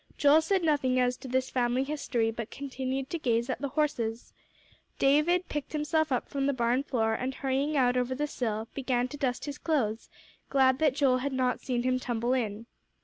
Joel said nothing as to this family history, but continued to gaze at the horses. David picked himself up from the barn floor, and hurrying out over the sill, began to dust his clothes, glad that Joel had not seen him tumble in.